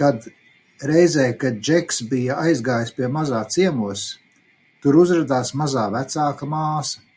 Kad, reizē kad Džeks bija aizgājis pie Mazā ciemos, tur uzradās Mazā vecāka māsa.